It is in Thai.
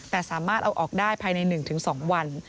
แต่สามารถเอาออกได้ภายใน๑๒วัน